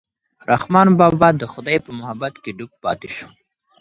رحمان بابا د خدای په محبت کې ډوب پاتې شو.